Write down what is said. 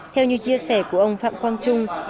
theo như chia sẻ của ông phạm quang trung